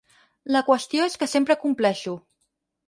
La qüestió és que sempre compleixo.